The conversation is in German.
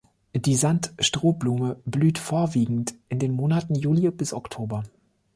Die Sand-Strohblume blüht vorwiegend in den Monaten Juli bis Oktober.